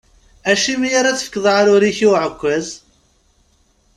Acimi ara tefkeḍ aɛrur-ik i uɛekkaz?